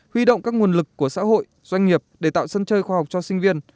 huy động các nguồn lực của xã hội doanh nghiệp để tạo sân chơi khoa học cho sinh viên